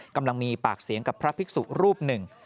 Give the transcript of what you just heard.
กำลังมีปากเสียงกับพระภิกษุรูปหนึ่ง